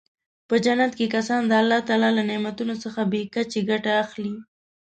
په جنت کې کسان د الله تعالی له نعمتونو څخه بې کچې ګټه اخلي.